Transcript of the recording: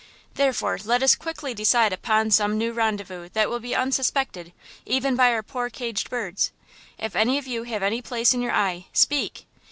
Therefore, let us quickly decide upon some new rendezvous that will be unsuspected, even by our poor caged birds! If any of you have any place in your eye, speak!"